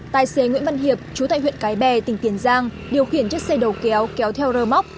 tài xế nguyễn văn hiệp chú tại huyện cái bè tỉnh tiền giang điều khiển chiếc xe đầu kéo kéo theo rơ móc